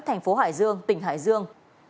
thành phố hải dương tỉnh hải dương